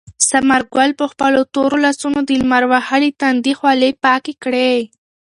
ثمر ګل په خپلو تورو لاسونو د لمر وهلي تندي خولې پاکې کړې.